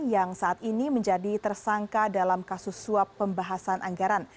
yang saat ini menjadi tersangka dalam kasus suap pembahasan anggaran